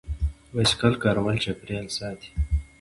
د بایسکل کارول چاپیریال ساتي.